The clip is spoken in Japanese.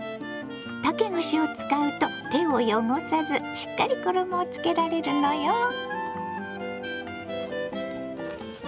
竹串を使うと手を汚さずしっかり衣をつけられるのよ。